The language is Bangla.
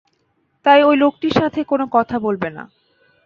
তাই ঐ লোকটির সাথে কোন কথা বলবে না।